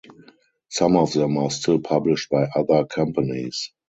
Some of them are still published by other companies.